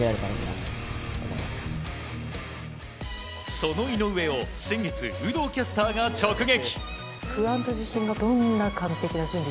その井上を先月、有働キャスターが直撃。